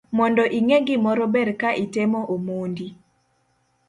Mondo inge gimoro ber ka itemo omondi